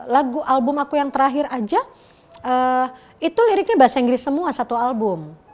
lagu album aku yang terakhir aja itu liriknya bahasa inggris semua satu album